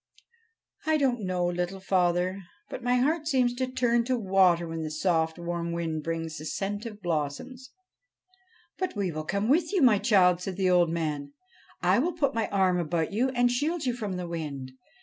' I don't know, Little Father, but my heart seems to turn to water when the soft warm wind brings the scent of the blossoms.' ' But we will come with you, my child,' said the old man. ' I will put my arm about you and shield you from the wind.